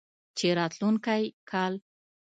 چې راتلونکی کال